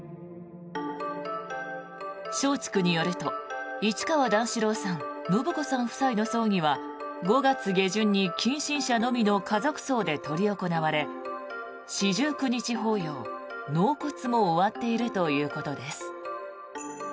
松竹によると市川段四郎さん・延子さん夫妻の葬儀は５月下旬に近親者のみの家族葬で執り行われ四十九日法要、納骨も終わっているということです。